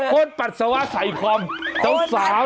พ่นปัดสวะไสความเจ้าสาว